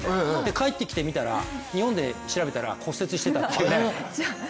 帰ってきてみたら日本で調べてみたら骨折してたっていうね。